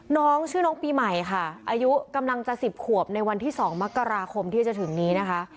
น้องชื่อน้องปีใหม่ค่ะอายุกำลังจะ๑๐ขวบในวันที่๒มกราคมที่จะถึงนี้นะคะ